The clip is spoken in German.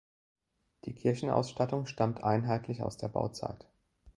Die Kirchenausstattung stammt einheitlich aus der Bauzeit.